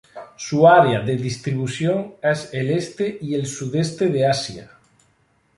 Su área de distribución es el este y sureste de Asia.